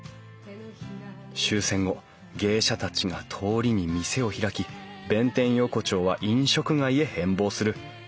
終戦後芸者たちが通りに店を開き弁天横丁は飲食街へ変貌する。